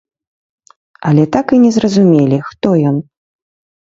Але так і не зразумелі, хто ён.